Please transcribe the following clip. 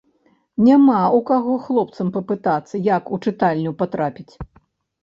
Няма ў каго хлапцам папытацца, як у чытальню патрапіць.